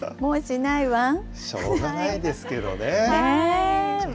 しょうがないですけどね。